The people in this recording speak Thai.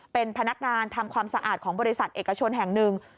เป็นพนักงานทำความสะอาดของบริษัทเอกชนแห่งหนึ่ง